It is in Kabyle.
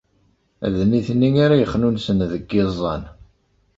D nitni ara yexnunsen deg yiẓẓan.